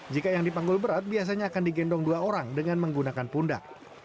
jika yang dipanggul berat biasanya akan digendong dua orang dengan menggunakan pundak